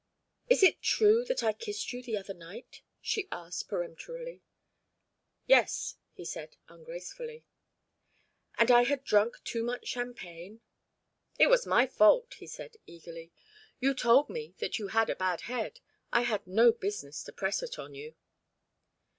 "Is it true that I kissed you the other night?" she asked, peremptorily. "Yes," he said, ungracefully. "And I had drunk too much champagne?" "It was my fault," he said, eagerly. "You told me that you had a bad head. I had no business to press it on you."